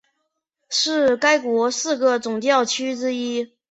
是该国四个总教区之一。